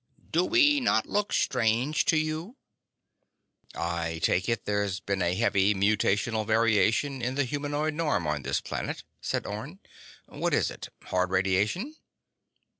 "Do we not look strange to you?" "I take it there's been a heavy mutational variation in the humanoid norm on this planet," said Orne. "What is it? Hard radiation?"